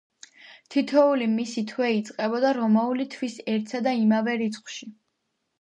თითოეული მისი თვე იწყებოდა რომაული თვის ერთსა და იმავე რიცხვში.